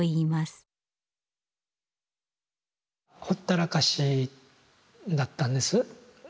ほったらかしだったんです。